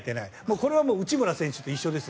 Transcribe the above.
これはもう内村選手と一緒です。